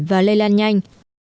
và lây lan nhanh